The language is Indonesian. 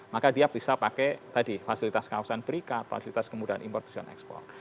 maka dia bisa pakai tadi fasilitas kawasan berikat fasilitas kemudahan impor tujuan ekspor